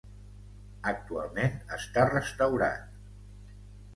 Actualment està restaurat.